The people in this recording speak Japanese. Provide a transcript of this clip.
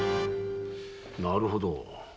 なるほど。